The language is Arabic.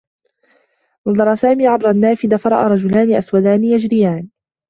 نظر سامي عبر النّافذة، فرأى رجلان أسودان يجريان.